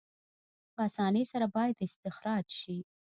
په اسانۍ سره باید استخراج شي.